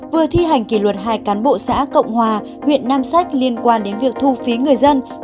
vừa thi hành kỷ luật hai cán bộ xã cộng hòa huyện nam sách liên quan đến việc thu phí người dân